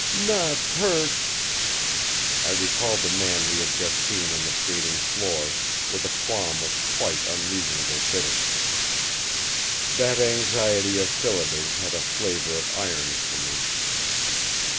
"Not hurt ?" I recalled the man we had just seen on the skating floor, with a qualm of quite unreasonable bitterness. That anxiety of Phillida's had a flavor of irony for me.